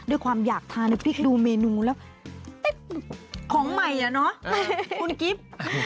ด้วยความอยากทานในพริกดูเมนูแล้วของใหม่อ่ะเนาะคุณกิฟต์